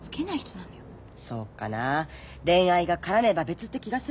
そうかな恋愛が絡めば別って気がするけど。